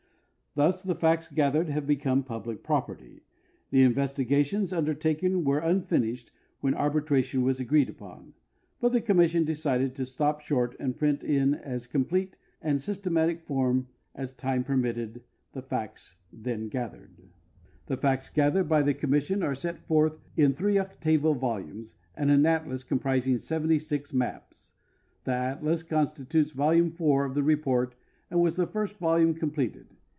Thus the facts gathered have become public property. The investigations undertaken were unfinished THE VENEZUELAN BOUNDARY COMMISSION YM wlien arl)itration was agreed upon, but the conimi.ssion decided to stop short and print in as complete and systematic form as time permitted the facts then gathered. The facts gatliered by the connnission are set forth in three octavo volumes and an atlas comprising ?(> maps. The atlas constitutes volume 4 of the report and was the (ir.^^t volume com pleted.